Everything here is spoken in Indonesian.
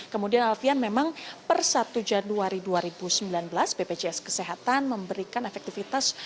kemudian alfian memang per satu januari dua ribu sembilan belas bpjs kesehatan memberikan efektivitas